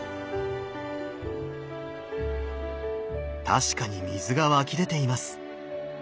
確かに水が湧き出ています。